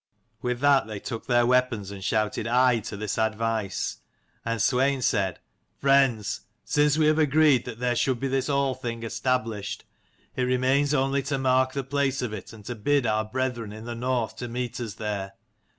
With that they took their weapons and shouted aye to this advice: and Swein said "Friends, since we have agreed that there should be this Althing established, it remains only to mark the place of it, and to bid our brethren in the north to meet us there.